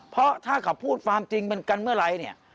เพราะถ้าเขาพูดความจริงมันกันเมื่อไหร่เนี่ย